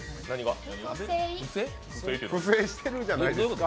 不正してるじゃないですか。